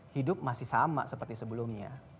hidup masih sama seperti sebelumnya